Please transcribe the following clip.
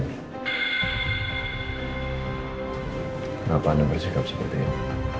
kenapa anda bersikap seperti ini